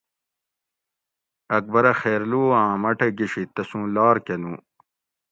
اکبرہ خیرلو آں مٹہ گشی تسوں لار کہ نُو